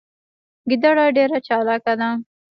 ګیدړه ډیره چالاکه ده